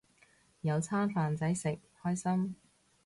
有餐飯仔食，開心